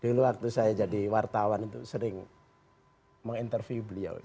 dulu waktu saya jadi wartawan itu sering menginterview beliau